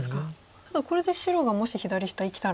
ただこれで白がもし左下生きたら。